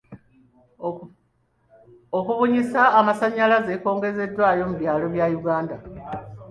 Okubunyisa amasannyalaze kwongezeddwa mu byalo bya Uganda.